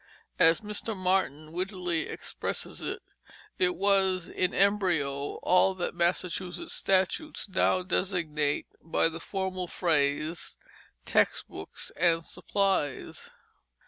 As Mr. Martin wittily expresses it, "it was in embryo all that the Massachusetts statutes now designate by the formal phrase 'text books and supplies.'"